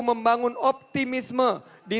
membangun optimisme di